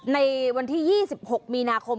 ในวันที่๒๖มีนาคม